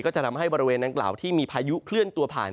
จะทำให้บริเวณดังกล่าวที่มีพายุเคลื่อนตัวผ่าน